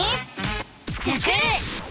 「スクる！」。